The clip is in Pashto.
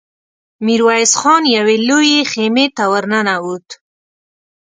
ميرويس خان يوې لويې خيمې ته ور ننوت.